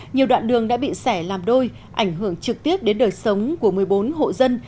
nhiều đoạn đường đã bị xẻ làm đôi ảnh hưởng trực tiếp đến đời sống của một mươi bốn hộ dân